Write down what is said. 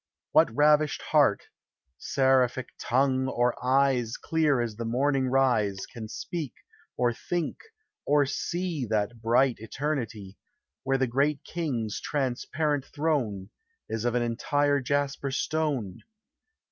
What ravished heart, seraphic tongue, or eyes Clear as the morning rise, Can speak, or think, or see That bright eternity. Where the great King's transparent throne Is of an entire jasper stone?